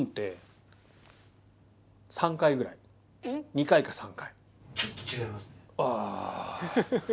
２回か３回。